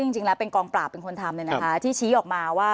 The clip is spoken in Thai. ซึ้งจริงและเป็นกองปราบเป็นคนทำเลยนะคะค่ะ